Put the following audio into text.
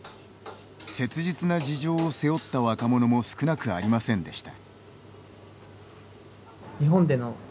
切実な事情を背負った若者も少なくありませんでした。